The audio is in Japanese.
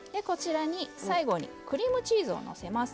最後にクリームチーズをのせます。